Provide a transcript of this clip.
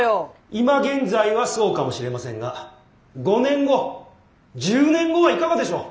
今現在はそうかもしれませんが５年後１０年後はいかがでしょう？